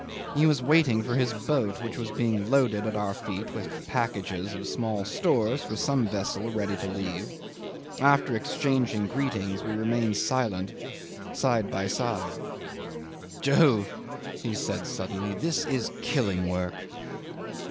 He was waiting for his boat, which was being loaded at our feet with packages of small stores for some vessel ready to leave. After exchanging greetings, we remained silent side by side. "Jove!" he said suddenly, "this is killing work."